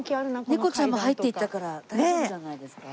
猫ちゃんも入っていったから大丈夫じゃないですか？